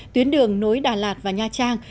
tuyến đường nối đà lạt và nha trang